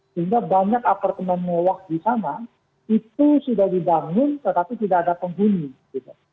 sehingga banyak apartemen mewah di sana itu sudah dibangun tetapi tidak ada penghuni gitu